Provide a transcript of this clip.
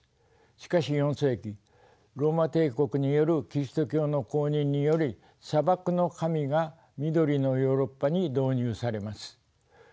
しかし４世紀ローマ帝国によるキリスト教の公認により砂漠の神が緑のヨーロッパに導入されます。